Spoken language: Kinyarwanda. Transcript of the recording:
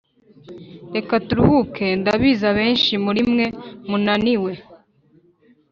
reka turuhuke ndabizi abenshi muri mwe munaniwe